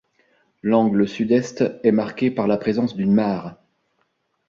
L'angle sud-est est marqué par la présence d'une mare.